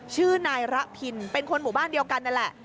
ชื่อนายระพินเป็นคนหมู่บ้านเดียวกันนั่นแหละ